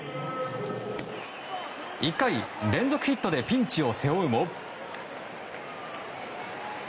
１回、連続ヒットでピンチを背負うも。